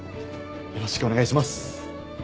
よろしくお願いします。